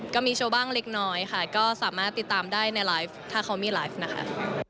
ก็มีโชว์บ้างเล็กน้อยค่ะก็สามารถติดตามได้ในไลฟ์ถ้าเขามีไลฟ์นะคะ